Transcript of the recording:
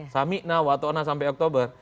samikna watona sampai oktober